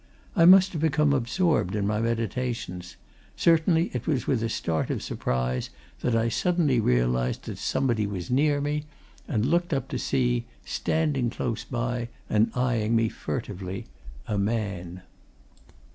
I must have become absorbed in my meditations certainly it was with a start of surprise that I suddenly realized that somebody was near me, and looked up to see, standing close by and eyeing me furtively, a man.